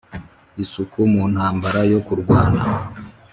isuku mu ntambara yo kurwana!